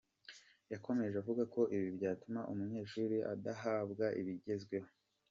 Yakomeje avuga ko ibi byatuma umunyeshuri adahabwa ibigezweho.